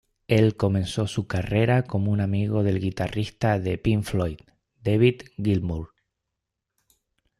Él comenzó su carrera como un amigo del guitarrista de Pink Floyd, David Gilmour.